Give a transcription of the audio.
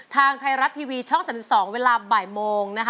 ทางไทยรัฐทีวีช่อง๓๒เวลาบ่ายโมงนะคะ